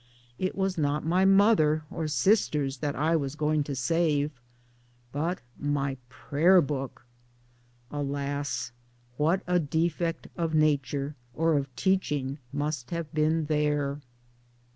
It was not my mother or sisters that I was going to save ... but my prayer book ! Alas ! what a defect of nature, or of teaching, must have been there